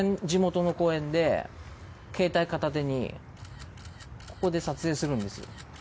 地元の公園で携帯片手にここで撮影するんですよ。